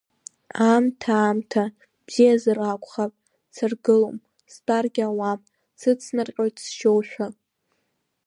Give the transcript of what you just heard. Аамҭа аамҭа бзиазар акәхап, саргылом, стәаргьы ауам, сыҵнарҟьоит сжьоушәа…